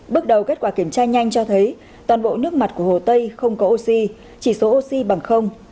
bước đầu kết quả kiểm tra nhanh cho thấy toàn bộ nước mặt của hồ tây không có oxy chỉ số oxy bằng